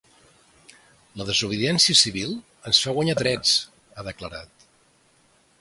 La desobediència civil ens fa guanyar drets, ha declarat.